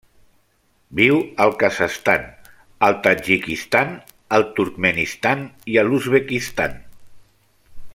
Viu al Kazakhstan, el Tadjikistan, el Turkmenistan i l'Uzbekistan.